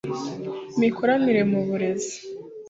imikoranire mu burezi